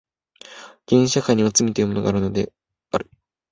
原始社会にも罪というものがあるのである。